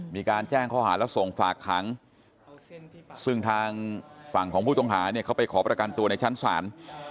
มีการแจ้งข้อหาและส่งฝากขังซึ่งทางฝั่งของผู้ต้องหาเนี่ยเขาไปขอประกันตัวในชั้นศาล